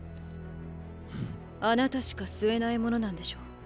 あなたしか吸えないものなんでしょう？